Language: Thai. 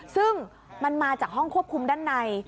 ซึ่งมันมาจากห้องควบคุมด้านใน